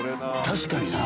確かにな！